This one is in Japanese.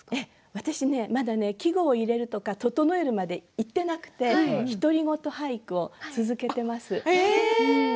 私はまだ季語を入れるとか整えるまでいっていなくて独り言俳句を続けています。